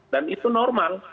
dan itu normal